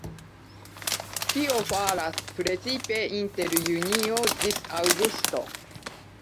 Tio falas precipe inter junio-aŭgusto.